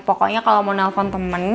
pokoknya kalau mau nelfon temen